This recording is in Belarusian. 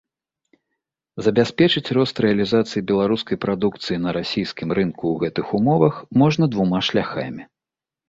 Забяспечыць рост рэалізацыі беларускай прадукцыі на расійскім рынку ў гэтых умовах можна двума шляхамі.